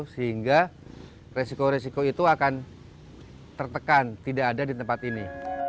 sehingga resiko resiko itu akan tertekan tidak ada di tempat ini